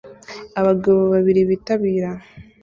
Abagabo babiri bitabira